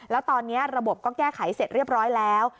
แล้วตอนนี้ระบบก็แก้ไขเสร็จเรียบร้อยแล้ว